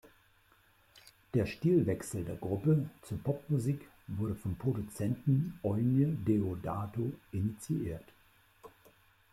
Der Stilwechsel der Gruppe zur Popmusik wurde vom Produzenten Eumir Deodato initiiert.